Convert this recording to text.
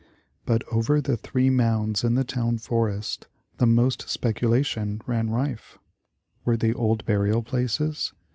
But over the three mounds in the town forest the most speculation ran rife. Were they old burial places?